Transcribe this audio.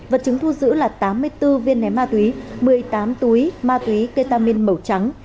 vật chứng thu giữ là tám mươi bốn viên ném ma túy một mươi tám túi ma túy ketamin màu trắng